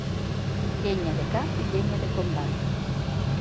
Llenya de cap i llenya de combat.